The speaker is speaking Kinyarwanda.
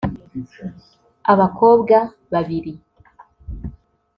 Abakobwa babiri